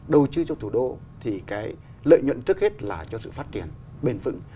đầu tư cho thủ đô thì cái lợi nhuận trước hết là cho sự phát triển bền vững